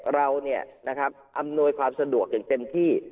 เราเนี้ยนะครับอำนวยความสะดวกอย่างเต็มที่